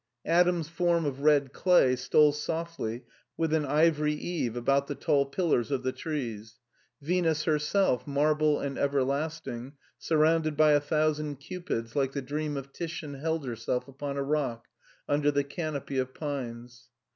Adam's form of red clay stole softly with an ivory Eve about the tall pillars of the trees — ^Venus herself, marble and everlasting, sur rounded by a thousand Cupids like the dream of Titian held herself upon a rock under the canopy of pines.